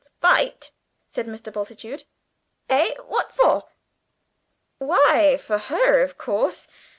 "Fight!" said Mr. Bultitude. "Eh, what for?" "Why, for her, of course.